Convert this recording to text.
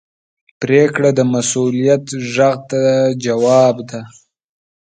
پرېکړه د مسؤلیت غږ ته ځواب ده.